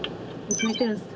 決めてるんですか？